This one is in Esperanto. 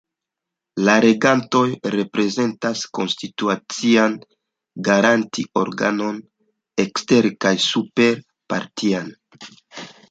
La regantoj reprezentas konstitucian garanti-organon ekster- kaj super-partian.